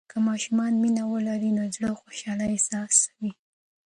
که ماشومان مینه ولري، نو د زړه خوشالي احساسوي.